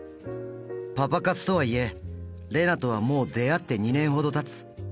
パパ活とはいえ怜那とはもう出会って２年ほどたつ。